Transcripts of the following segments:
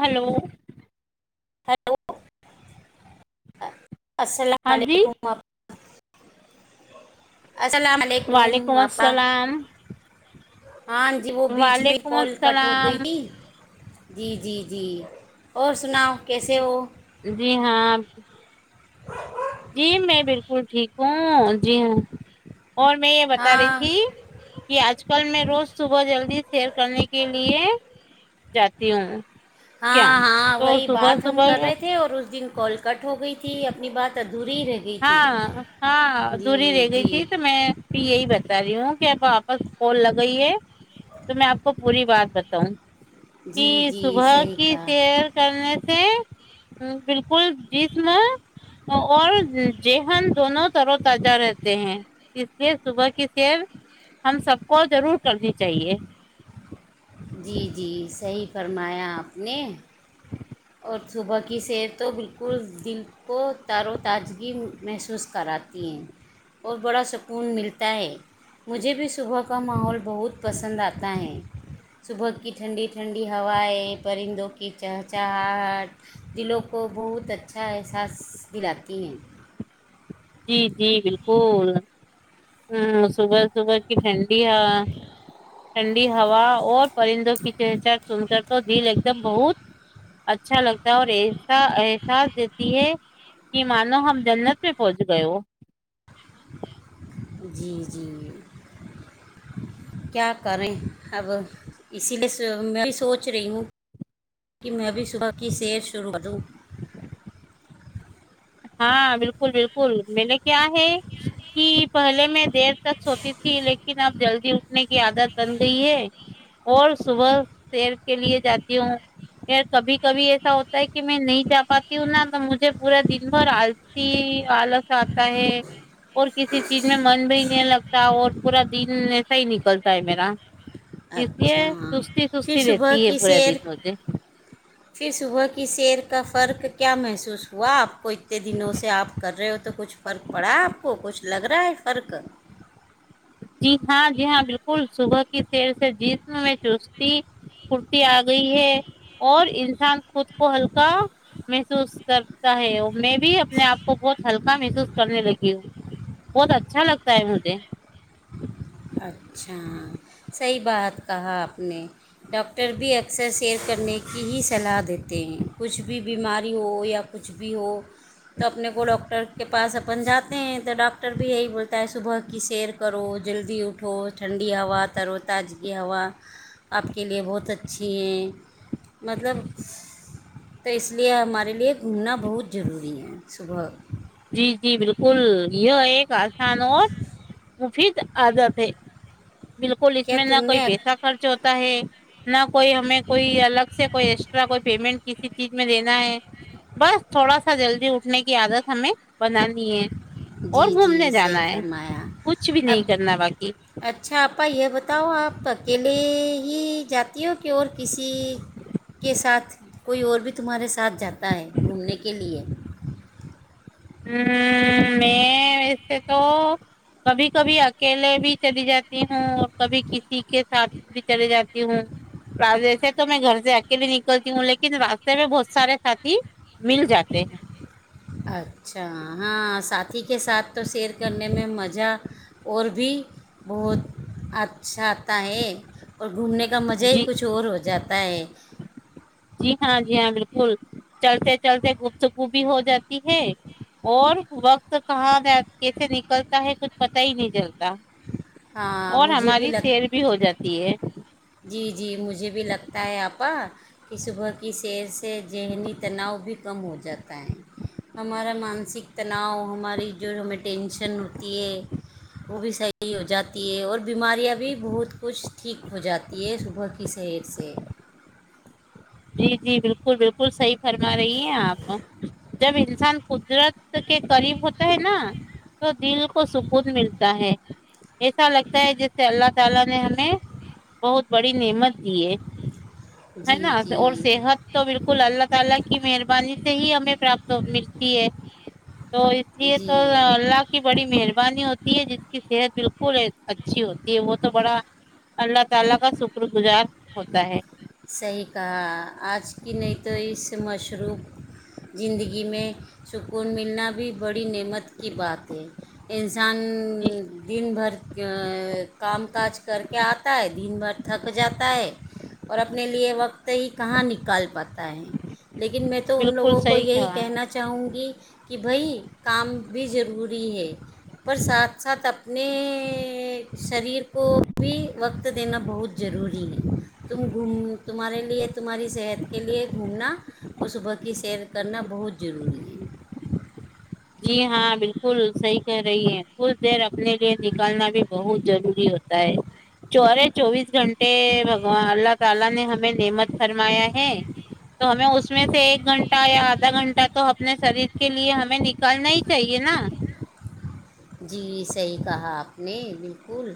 hello [inaudible] ہاں [inaudible] السلام ہاں جی علیکم [inaudible] السلام علیکم وعلیکم آپا السلام ہاں جی وہ بیچ میں وعلیکم کال کٹ ہو السلام گئی تھی جی جی جی اور سناؤ کیسے ہو ج جی ہاں جی میں بالکل ٹھیک ہوں جی ہاں اور میں یہ بتا رہی ہاں تھی کہ آج کل میں روز صبح جلدی سیر کرنے کے لیے جاتی ہوں کیا ہاں ہاں تو وہی صبح بات ہم کر صبح رہے تھے اور اس دن کال کٹ ہو گئی تھی اپنی بات ا ہاں ہاں جی دوری رہ گئی جی تھی تو میں یہی بتا رہی ہوں کہ و آپس فول لگئی ہے تو میں آپ کو پوری بات بتاؤں کہ جی جی صبح صحیح کی کہا سیر کرنے سے ہ بالکل جیس میں اور جہن دونوں طروں ت جا رہتے ہیں اس لیے صبح کی سیب ہم سب کو ضرور کرنی چاہیے [inaudible] جی جی صحیح فرمایا آپ نے اور صبح کی سیر تو بالکل دل کو تار و تازگی محسوس کراتی ہیں اور بڑا سکون ملتا ہے مجھے بھی صبح کا ماحول بہت پسند آتا ہے صبح کی ٹھنڈی ٹھنڈی ہوائیں پرندوں کی چہچ چاٹ دلوں کو بہت اچھا احساس دلاتی ہیں جی جی بالکل ہ صبح صبح کی فڈ ایایا ٹھنڈی ہوا اور پرندوں کی چہچہ سن کر تو دل ایک دم بہت اچھا لگتا ہے اور ایسا احساس دیتی ہے کہ مانو ہم جنت میں ج گئے وہ جی جی کیا بارے آبو اسی لیے میں بھی سوچ رہی ہوں کہ میں بھی صبح کی سیر شروع کروں ہاں بالکل بالکل میں نے کیا ہے کہ پہلے میں دیر تک سوتی تھی لیکن اب جلدی اٹھنے کی عادت بن گئی ہے اور صبح شیر کے لیے جاتی ہوں کبھی کبھی ایسا ہوتا ہے کہ میں نہیں جا پاتی ہوں نا تو مجھے پورا دن ب آلسی آلس آتا ہے اور کسی چیز میں من بھی نہیں لگتا اور پورا دن ایسا ہی نکلتا ہے میرا اسے اچھا سستی پھر سستی صبح رہتی ہے کی بورے سیر دن مجھے کہ سیر کا فرق کیا محسوس ہوا آپ کو اتنے دنوں سے آپ کر رہے ہو تو کچھ فرق پڑا آپ کو کچھ لگ رہا ہے فرق جی ہاں جی ہاں بالکل صبح کی س سے جیتوں میں چوسوں کرتی آ گئی ہے اور انسان خود کو ہلکا محسوس کرتا ہے میں بھی اپنے آپ کو بہت ہلکا محسوس کرنے لگی ہوں بہت اچھا لگتا ہے مجھے [unintelligible] اچھا صحیح بات کہا آپ نے ڈاکٹر بھی اکثر سیر کرنے کی ہی صلاح دیتے تو کچھ بھی بیماری ہو یا کچھ بھی ہو تو اپنے کو ڈاکٹر کے پاس اپن جاتے ہیں تو ڈاکٹر بھی یہی بولتا ہے صبح کی سیر کرو جلدی ی اٹھو ٹھنڈی ہوا ترو تجگی ہوا آپ کے لیے بہت اچھی ہیں مطلب تو اس لیے ہمارے لیے گنا بہت ضروری ہے صبح جی جی بالکل یہ ایک آسان اور مفید آزاد ہے بالکل اس کیا میں تم نہ کوئی نے پیسہ خرچ ہوتا ہے [unintelligible] نہ کوئی ہمیں کوئی الگ سے کوئی ایکسٹرا کوئی پیمنٹ کسی چیز میں دینا ہے بس تھوڑا سا جلدی اٹھنے کی عادت ہمیں بنانی ہے جی اور جی گھومنے صحیح جانا ہے فرمایا کچھ بھی اب نہیں کرنا باقی اچھا آا یہ بتاؤ آپ ا کےلیے ہی جاتی کہ اور کسی کے ساتھ کوئی اور بھی تمہارے ساتھ جاتا ہے گھومنے کے لیے ہ میں ویسے تو کبھی کبھی اکیلے بھی چلی جاتی ہوں اور کبھی کسی کے ساتھ بھی چلی جاتی ہوں ویسے تو میں گھر سے اکیلے نکلتی ہوں لیکن راستے میں بہت سارے ساتھی مل جاتے ہیں اچھا ہاں سات کے ساتھ تو سیر کرنے میں مزہ اور بھی بہت اچھا آتا ہے اور گھومنے کا مزہ ہی جی کچھ اور ہو جاتا ہے جی ہاں جی ہاں بالکل چلتے چلتے گفتگو بھی ہو جاتی ہے اور وقت کہاں گ کیسے نکلتا ہے کچھ پتا ہی نہیں چلتا ہاں اور مجھے بھی ہماری لگ سیر بھی ہو جاتی ہے جی جی مجھے بھی لگتا ہے آپا کہ صبح کی سیر سے ذہنی تناؤ بھی کم ہو جاتا ہے ہمارا مانسک تناؤ ہماری جو ہمیں ٹینشن ہوتی ہے وہ بھی صحیح ہو جاتی ہے اور بیماریاں بھی بہت کچھ ٹھیک ہو جاتی ہے صبح کی شحیر سے جی جی بالکل بالکل بالکل صحیح فرما رہی ہیں آپ جب انسان قدرت کے قریب ہوتا ہے نا تو دل کو سکون ملتا ہے ایسا لگتا ہے جسے اللہ تعالی نے ہمیں بہت بڑی نعمت دی ہے ہے نا جی جی اور صحت تو بالکل اللہ تعالی کی مہربانی سے ہی ہمیں پراپت ملتی ہے تو اس لیے تو جی اللہ کی بڑی مہربانی ہوتی جس کی صحت بالکل اچھی ہوتی ہے وہ تو بڑا اللہ تعالی کا شکر گزار ہوتا ہے صحیح کہا آج کی نہیں تو اس مشروف زندگی میں سکون ملنا بھی بڑی نعمت کی بات ہے کسان دن بھر کام کاج کر کے آتا ہے دن بھر تھک جاتا ہے اور اپنے لیے وقت ہی کہاں نکال پاتا ہے لیکن میں تو ان بالکل لوگوں کو صحیح یہی کہا کہنا چاہوں گی کہ بھائی کام بھی ضروری ہے پر ساتھ ساتھ اپنے شریر کو بھی وقت دینا بہت ضروری ہے تم گھوم تمہارے لیے تمہاری صحت کے لیے گھومنا اور صبح کی سیر کرنا بہت ضروری ہے جی ہاں بالکل صحیح کہہ رہی ہیں کچھ دیر اپنے لیے نکالنا بھی بہت ضروری ہوتا ہے چورے چوبیس گھنٹے ا بگوان اللہ تالہ نے ہمیں نعمت فرمایا ہے تو ہمیں اس میں سے ایک گھنٹہ یا آدھا گھنٹہ تو اپنے شریر کے لیے ہمیں ن نہیں چاہیے نا جی صحیح کہا آپ نے بالکل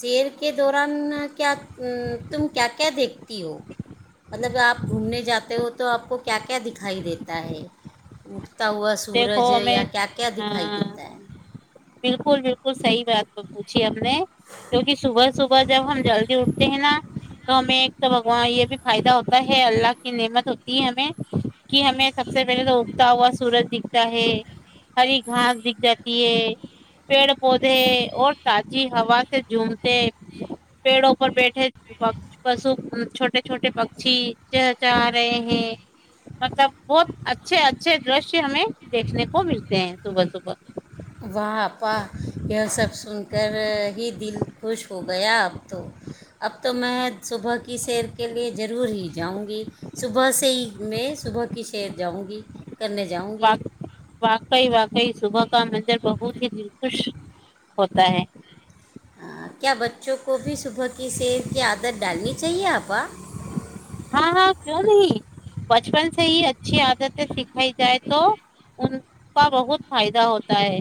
شیر کے دوران کیا تم کیا کیا دیکھتی ہو مطلب آپ گھومنے جاتے ہو تو آپ کو کیا کیا دکھائی دیتا ہے تا ہوا سورج دیکھو یا ہمیں کیا کیا دکھائی ہاں دیتا ہے بالکل بالکل صحیح بات پ پوچھی ا آ ہم کیونکہ صبح صبح جب ہم جلدی اٹھتے ہیں نا تو ہمیں ایک تو بگوان یہ بھی فائدہ ہوتا ہے اللہ کی نعمت ہوتی ہے ہمیں کہ ہمیں سب سے پہلے تو اگتا ہوا سورج دکھتا ہے ہری گھاس دکھ جاتی ہے پیڑ پودے اور تازی ہوا سے جھومتے پیڑوں پر بیٹھے پشو چھوٹے چھوٹے پکشھی چہچہا رہے ہیں مطلب بہت اچھے اچھے دش ہمیں دیکھنے کو ملتے ہیں صبح صبح واہپا یہ سب سن کر ہی دل خوش ہو گیا اب تو اب تو میں صبح کی کی سیر کے لیے ضرور ہی جاؤں گی صبح سے ہی میں صبح کی سیر جاؤں گی کرنے جاؤں گی وقئی وقئی سب کا مظر بہت ہی دل خوش ہوتا ہے ہ کیا بچوں کو بھی صبح کی سیر کی عادت ڈالنی چاہیے آپاں ہاں ہاں کیوں نہیں بچپن سے ہی اچھی عادتیں سکھائی جائے تو ان کا بہت فائدہ ہوتا ہے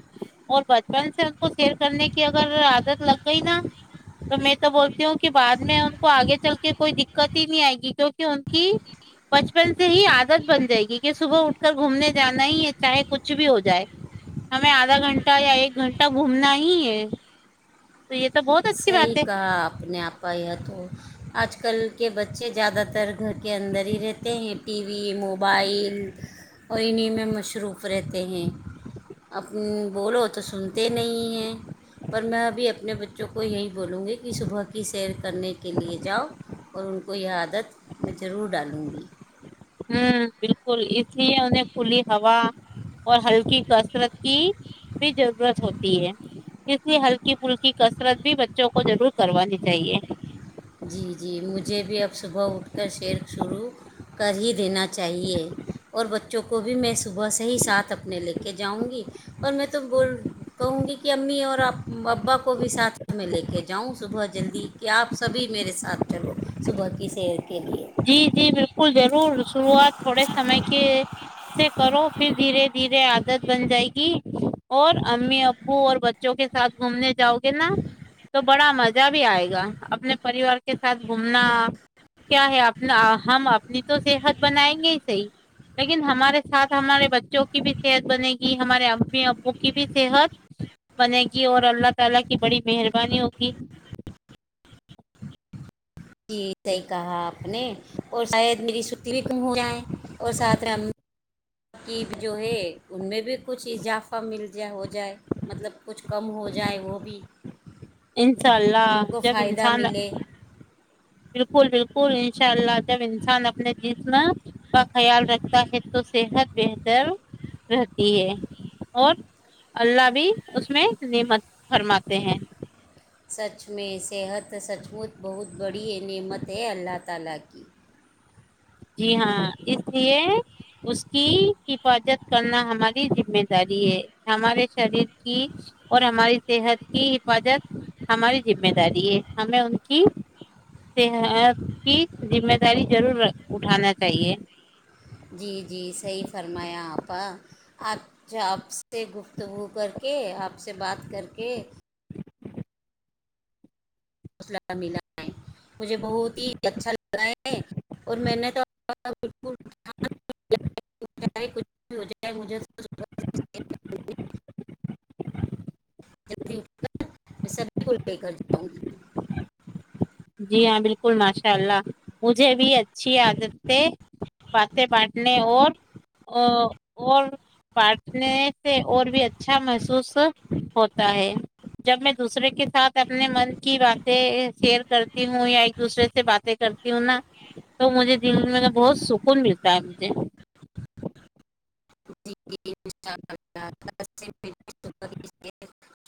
اور بچپن سے کو سئر کرنے کی اگر عادت لگئی نا تو میں تو بولتی ہوں کہ بعد میں ان کو آگے چل کے کوئی د کتی نہیں آئے گی کیوںکہ ان کی بچپن سے ہی عادت بن جائے گی کہ صبح اٹھ کر گھومنے جانا ہی ہے چاہے کچھ بھی ہو جائے ہمیں آدھا گھنٹہ یا ایک گھنٹہ گھومنا ہی ہے تو یہ تو بہت اچھی صحیح بات ہے کہا آپ نے آپ پائی ہے تو آج کل کے بچے زیادہ تر گھر کے اندر ہی رہتے ہیں ٹی وی موبائل اور انہیں میں مصروف رہتے ہیں اپ بولو تو سنتے نہیں ہیں پر میں ابھی اپنے بچ جو کو یہی بولوں گی کہ صبح کی سیر کرنے کے لیے جاؤ اور ان کو یہ عادت میں ضرور ڈالوں گی ہوں بالکل اس لیے انہیں کھلی ہوا اور ہلکی کسرت کی بھی ضرورت ہوتی ہے اس لیے ہلکی پھلکی کسرت بھی بچوں کو ضرور کروانی چاہیے جی جی مجھے بھی اب صبح اٹھ کر شیر شروع کر ہی دینا چاہیے اور بچوں کو بھی میں صبح سے ہی ساتھ اپنے لے کے جاؤں گی اور میں تو بول کہوں گی کہ امی اور آپ ابا کو بھی ساتھ میں لے کے جاؤں صبح جلدی کہ آپ سبھی میرے ساتھ چلو صبح کی سیر کے لیے جی جی بالکل ضرور شروعات تھوڑے سمے کے سے کرو پھر دھیرے دھیرے عادت بن جائے گی اور امی ابو اور بچوں کے ساتھ گھومنے جاؤ گے نا تو بڑا مزہ بھی آئے گا اپنے پریوار کے ساتھ گھومنا کیا ہے آپ نہ ہم اپنی تو صحت بنائیں گے ہی صحی لیکن ہمارے ساتھ ہمارے بچے جو کی بھی صحت بنے گی کہ ہمارے ابمی ابو کی بھی صحت بنے گی اور اللہ تعالا کی بڑی مہربانی ہوگی جی صحیح کہا آپ نے اور شاید میری چھٹی بھی کم ہو جائے اور ساتھ میں ترکیب جو ہے ان میں بھی کچھ اضافہ مل جائے ہو جائے مطلب کچھ کم ہو جائے وہ بھی انشاء اللہ ان کو جب فائدہ انسان ملے بالکل بالکل ان شاء اللہ جب انسان اپنے جسم کا خیال رکھتا ہے تو صحت بہتر رہتی ہے اور اللہ بھی اس میں نعمت فرماتے ہیں سچ میں صحت بہت بڑی ہے نعمت ہے اللہ کا [inaudible] جی ہاں اس لیے اس کی حفاظت کرنا ہماری ذمے داری ہے ہمارے شریر کی اور ہماری صحت کی حفاظت ہماری ذمہ داری ہے ہمیں ان کی صحت کی ذمہ داری ضرور رکھ اٹھانا چاہیے جی جی صحیح فرمایا آپ کا اچا آپ سے گفتگو کر کے آپ سے بات کر کے سلہ ملا ہے مجھے بہت ہی اچھا لگا ہے اور میں نے تو بالکل چاہے کچھ بھی ہو جائے مجھے جلدی میں سبھی کو لے کر جاؤں گی جی ہاں بالکل ماشاء اللہ مجھے بھی اچھی عادتیں باتیں پ نہیں اور اور بانٹنے سے اور بھی اچھا محسوس ہوتا ہے جب میں دوسرے کے ساتھ اپنے من کی باتیں کرتی ہوں یا ایک دوسرے سے باتیں کرتی ہوں نا تو مجھے دل میں بہت سکون ملتا ہے مجھے [inaudible]